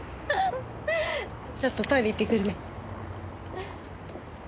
ちょっとトイレ行ってくるね。